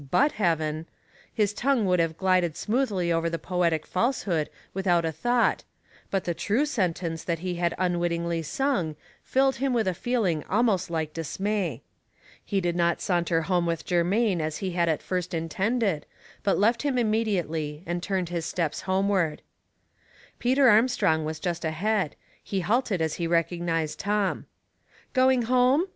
131 hut heaven," his tongue would have glided smoothly over the poetic falsehood without a thought, but the true sentence that he had unwittingly sung filled him with a feehng almost like dismay. He did not saunter home with Germain as he had at first intended, but left him immediately and turned his steps homeward. Peter Armstrong was just ahead; he halted as he recognized Tom. " Going home